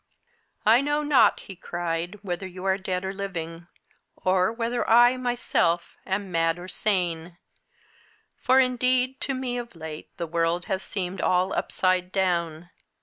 "I know not," he cried, "whether you are dead or living, or whether I myself am mad or sane for, indeed, to me of late the world has seemed all upside down.